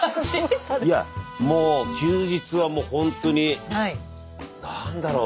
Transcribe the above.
いやもう休日はほんとに何だろう。